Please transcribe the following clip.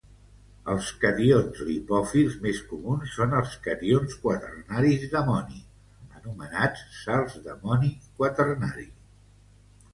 Els cations lipòfils més comuns són els cations quaternaris d'amoni, anomenats "sals d'amoni quaternari".